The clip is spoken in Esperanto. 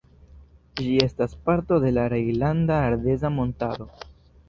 Ĝi estas parto de la Rejnlanda Ardeza Montaro.